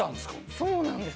そうなんです。